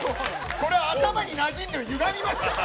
これ頭になじんでゆがみますから。